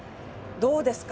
どうですか？